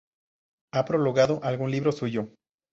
Ha prologado algún libro suyo.